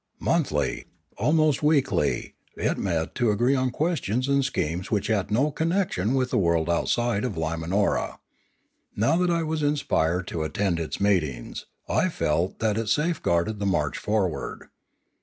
Monthly, almost weekly, it met to agree on questions and schemes which had no connection with the world outside of Iyimanora. Now that I was inspired to attend its meetings, I felt that it safeguarded the march forward.